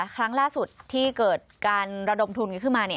ครั้งล่าสุดที่เกิดการระดมทุนกันขึ้นมา